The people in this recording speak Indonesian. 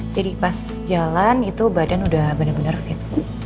jadi pas jalan itu badan udah bener bener fit